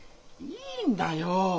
いいんだよ。